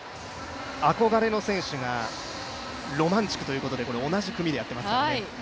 憧れの選手がロマンチュクということで、同じ組でやってますね。